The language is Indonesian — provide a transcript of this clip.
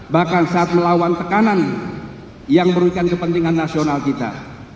bahkan saat melawan tekanan yang merugikan kepentingan nasional kita